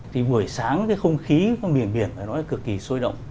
thì buổi sáng cái không khí của miền biển nó cực kỳ sôi động